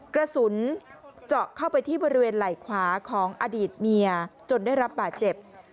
กระสุนเจาะเข้าไปที่บริเวณไหล่ขวาของอดีตเมียจนได้รับบาดเจ็บ